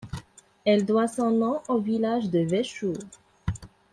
Elle doit son nom au village de Vechoor.